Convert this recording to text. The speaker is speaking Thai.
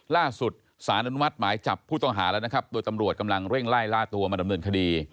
สารอนุมัติหมายจับผู้ต้องหาแล้วนะครับโดยตำรวจกำลังเร่งไล่ล่าตัวมาดำเนินคดี